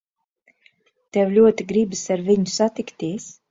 Tev ļoti gribas ar viņu satikties.